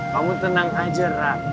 kamu tenang aja rara